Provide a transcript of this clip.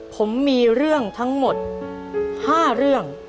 ผมมีเรื่องทั้งหมด๕เรื่อง